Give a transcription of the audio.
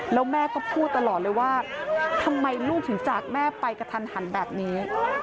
แล้วแม่ก็พูดตลอดเลยว่าทำไมลูกถึงจากแม่ไปกระทันหันแบบนี้